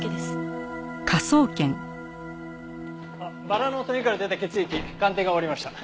バラのトゲから出た血液鑑定が終わりました。